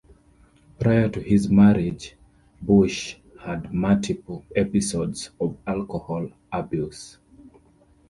Prior to his marriage, Bush had multiple episodes of alcohol abuse.